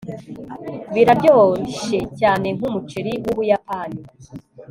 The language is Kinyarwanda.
biraryoshe cyane nkumuceri wubuyapani